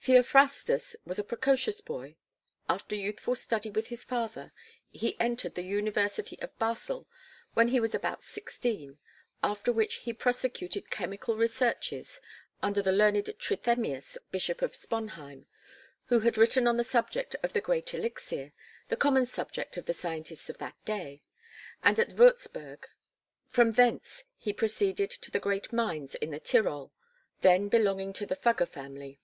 Theophrastus was a precocious boy; after youthful study with his father, he entered the University of Basel when he was about sixteen, after which he prosecuted chemical researches under the learned Trithemius Bishop of Sponheim who had written on the subject of the Great elixir the common subject of the scientists of that day, and at Wurzburg. From thence he proceeded to the great mines in the Tyrol, then belonging to the Fugger family.